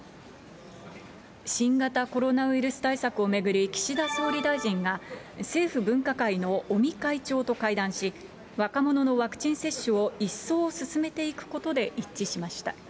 新型コロナウイルス対策を巡り、岸田総理大臣が、政府分科会の尾身会長と会談し、若者のワクチン接種を一層進めていくことで一致しました。